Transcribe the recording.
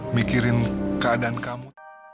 mikirin keadaan kamu